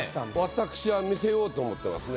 私は見せようと思ってますね。